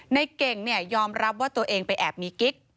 ในเก่งยอมรับว่าตัวเองไปแอบมีกิ๊ก